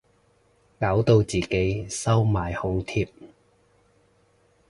搞到自己收埋紅帖